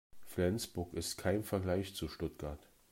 Flensburg ist kein Vergleich zu Stuttgart